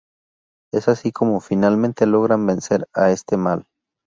Es así como, finalmente, logran vencer a este mal.